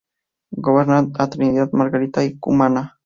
Gobernaban a Trinidad, Margarita y Cumaná.